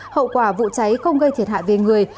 hậu quả vụ cháy không gây thiệt hại về người